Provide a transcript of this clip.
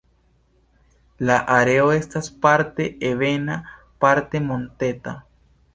La areo estas parte ebena, parte monteta.